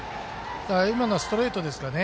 今のはストレートですかね。